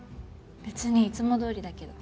別にいつもどおりだけど。